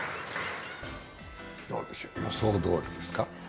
予想どおりですか？